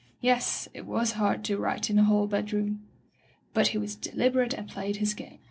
Yes, it was hard to write in a hall bedroom. But he was deliber ate and played his game.